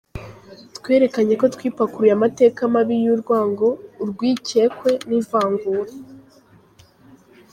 Twerekanye ko twipakuruye amateka mabi y’urwango, urwikekwe n’ivangura.